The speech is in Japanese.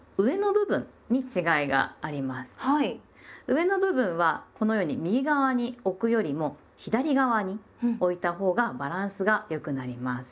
上の部分はこのように右側に置くよりも左側に置いたほうがバランスが良くなります。